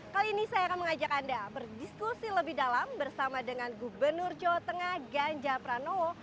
kali ini saya akan mengajak anda berdiskusi lebih dalam bersama dengan gubernur jawa tengah ganjar pranowo